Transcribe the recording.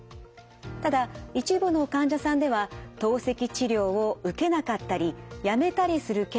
ただ一部の患者さんでは透析治療を受けなかったりやめたりするケースがあります。